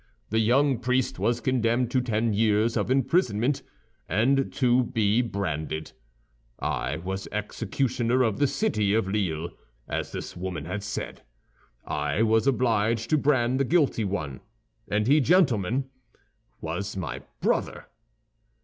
The young priest was condemned to ten years of imprisonment, and to be branded. I was executioner of the city of Lille, as this woman has said. I was obliged to brand the guilty one; and he, gentlemen, was my brother!